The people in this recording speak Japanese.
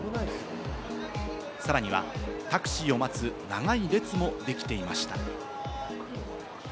さらにはタクシーを待つ長い列もできていました。